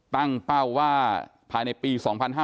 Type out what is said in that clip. ตั้งเป้าว่าภายในปี๒๕๖๔